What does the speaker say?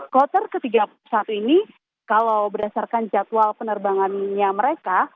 kloter ke tiga puluh satu ini kalau berdasarkan jadwal penerbangannya mereka